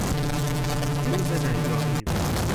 روز ننگآمیز